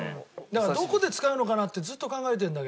だからどこで使うのかなってずっと考えてるんだけどね。